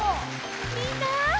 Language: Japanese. みんな。